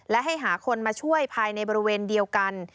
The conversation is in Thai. และให้หาคนมาช่วยภายในบริเวณเดียวกัน